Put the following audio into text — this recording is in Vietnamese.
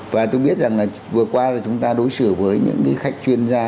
và tôi biết rằng là vừa qua là chúng ta đối xử với những cái khách chuyên gia